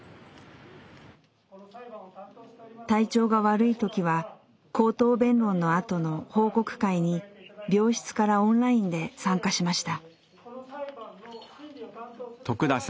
体調が悪い時は口頭弁論のあとの報告会に病室からオンラインで参加しました。